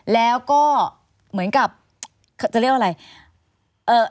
แล้วก็เหมือนกับจะเรียกว่าอะไร